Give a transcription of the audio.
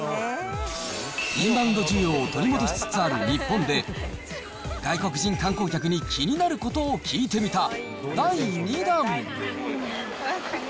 インバウンド需要を取り戻しつつある日本で、外国人観光客に気になることを聞いてみた第２弾。